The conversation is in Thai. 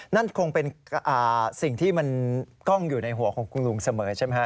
นั่นคงเป็นสิ่งที่มันกล้องอยู่ในหัวของคุณลุงเสมอใช่ไหมฮะ